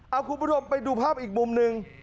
เอาคุณผู้ชมไปดูภาพอีกมุมหนึ่ง